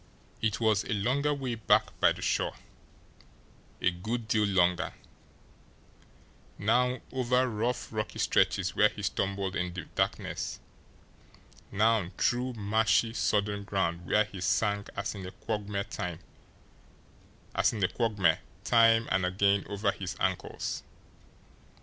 It was a longer way back by the shore, a good deal longer; now over rough, rocky stretches where he stumbled in the darkness, now through marshy, sodden ground where he sank as in a quagmire time and again over his ankles.